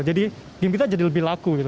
jadi game kita jadi lebih laku gitu